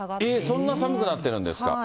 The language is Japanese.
そんな寒くなってるんですか？